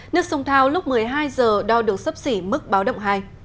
nước sông thao lúc một mươi hai giờ đo được sấp xỉ mức báo động hai